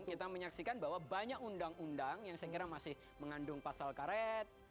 kita menyaksikan bahwa banyak undang undang yang saya kira masih mengandung pasal karet